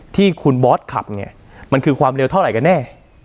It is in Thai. ที่คุณบอสขับเนี่ยมันคือความเร็วเท่าไหร่กันแน่